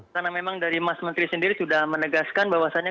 karena memang dari mas menteri sendiri sudah menegaskan bahwasannya